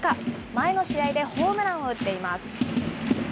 前の試合でホームランを打っています。